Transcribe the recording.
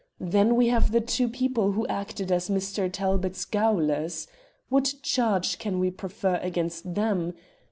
Then we have the two people who acted as Mr. Talbot's gaolers. What charge can we prefer against them?